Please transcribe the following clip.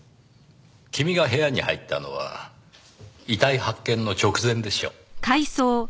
君が部屋に入ったのは遺体発見の直前でしょう。